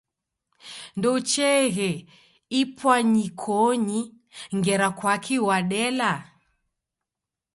Ndoucheeghe ipwanyikonyi ngera kwaki wadela?